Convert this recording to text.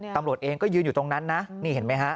ตำรวจเองก็ยืนอยู่ตรงนั้นนะนี่เห็นไหมฮะ